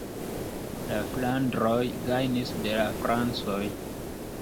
La flandroj gajnis de la francoj.